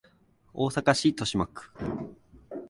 大阪市都島区